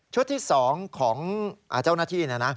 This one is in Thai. ชุดที่สองของเจ้าหน้าที่